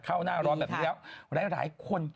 หน้าร้อนแบบนี้แล้วหลายคน